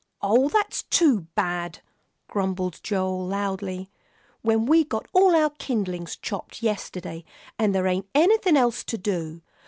"Oh, that's too bad," grumbled Joel, loudly, "when we got all our kindlings chopped yesterday, an' there ain't anything else to do.